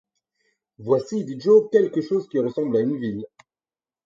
Voici, dit Joe, quelque chose qui ressemble à une ville.